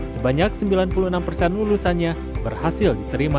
sebanyak sembilan puluh enam persen lulusannya berhasil diterima